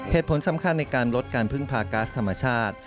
เหตุผลสำคัญในการลดการพึ่งพาก๊าซธรรมชาติ